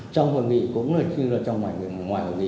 trong hội nghị cũng như là trong ngoài hội nghị